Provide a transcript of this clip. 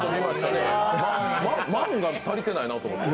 「万」が足りてないなと思って。